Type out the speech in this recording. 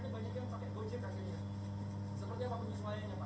bagaimana dengan on front atas gojek gojek yang juga nempak